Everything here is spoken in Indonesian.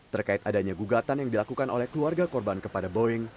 terkait adanya gugatan yang dilakukan oleh keluarga korban kepada boeing